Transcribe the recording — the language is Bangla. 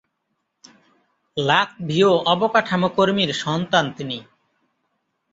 লাতভীয় অবকাঠামো কর্মীর সন্তান তিনি।